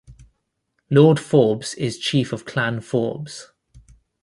Lord Forbes is Chief of Clan Forbes.